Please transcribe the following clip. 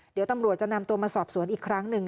เดี๋ยวตำรวจจะนำตัวมาสอบสวนอีกครั้งหนึ่ง